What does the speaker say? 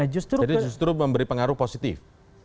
jadi justru memberi pengaruh positif